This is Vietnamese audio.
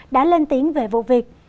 đã lên tiếng về vụ việc